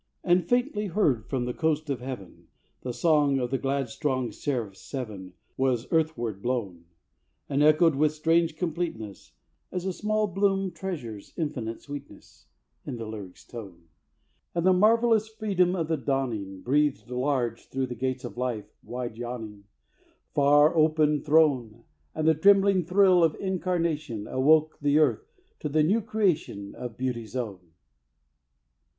And, faintly heard from the coast of heaven, The song of the glad strong seraphs seven Was earthward blown, And echoed, with a strange completeness, (As a small bloom treasures infinite sweetness), In the lyric's tone. And the marvelous freedom of the dawning Breathed large through the gates of life, Wide yawning, Far open thrown; And the trembling thrill of incarnation Awoke the earth to the new creation Of Beauty's own.